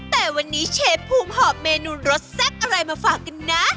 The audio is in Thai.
แต่วันนี้เชฟภูมิหอบเมนูรสแซ่บอะไรมาฝากกันนะ